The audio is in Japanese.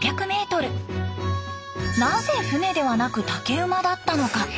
なぜ船ではなく竹馬だったのか。